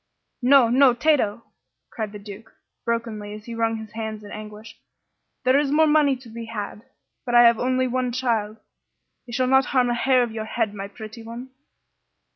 "No, no, Tato!" cried the Duke, brokenly, as he wrung his hands in anguish. "There is more money to be had, but I have only one child. They shall not harm a hair of your head, my pretty one!"